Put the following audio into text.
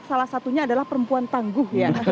salah satunya adalah perempuan tangguh